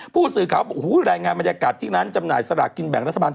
ผู้สื่อข่าวบอกรายงานบรรยากาศที่ร้านจำหน่ายสลากกินแบ่งรัฐบาล